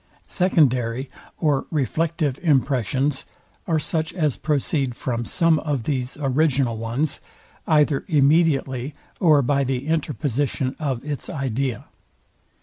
Secondary, or reflective impressions are such as proceed from some of these original ones, either immediately or by the interposition of its idea.